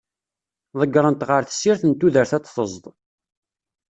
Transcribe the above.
Ḍeggren-t ɣer tessirt n tudert ad t-tezḍ.